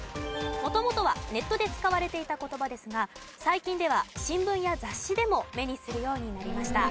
元々はネットで使われていた言葉ですが最近では新聞や雑誌でも目にするようになりました。